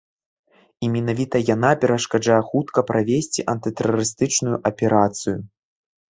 І менавіта яна перашкаджае хутка правесці антытэрарыстычную аперацыю.